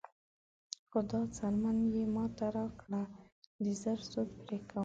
خو دا څرمن یې ماته راکړه د زړه سود پرې کوم.